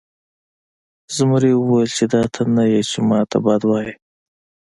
زمري وویل چې دا ته نه یې چې ما ته بد وایې.